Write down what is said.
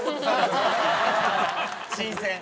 新鮮。